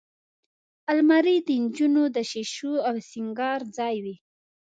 الماري د نجونو د شیشو او سینګار ځای وي